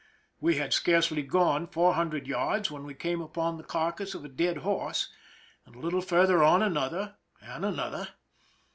We had scarcely gone four hun dred yards when we came upon the carcass of a dead horse, and a little farther on another, and another.